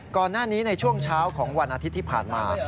ก่อนหน้านี้ในช่วงเช้าของวันอาทิตย์ที่ผ่านมา